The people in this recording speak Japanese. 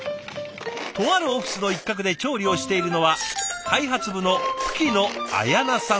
とあるオフィスの一角で調理をしているのは開発部の吹野亜彌那さん３７歳。